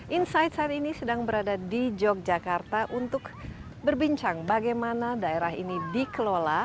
insight saat ini sedang berada di yogyakarta untuk berbincang bagaimana daerah ini dikelola